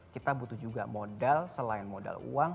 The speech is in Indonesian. kita butuh juga modal selain modal uang